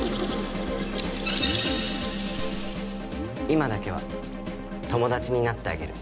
今だけは友達になってあげる。